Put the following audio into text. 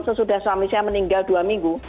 sesudah suami saya meninggal dua minggu